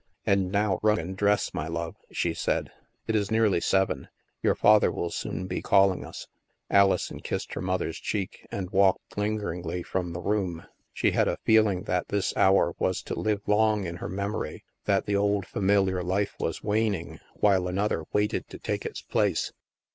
" And now run and dress, my love," she said. " It is nearly seven. Your father will soon be call ing us." Alison kissed her mother's cheek and walked lingeringly from the room. She had a feeling that this hour was to live long in her memory^ that the old familiar life was waning, while another waited to take its place.